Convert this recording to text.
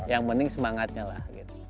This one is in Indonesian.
yang penting semangatnya lah